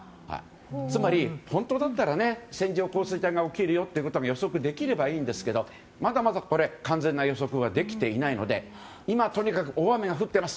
つまり本当だったら線状降水帯が起きるよって予測できればいいんですがまだまだ、完全な予測はできていないので今とにかく大雨が降っています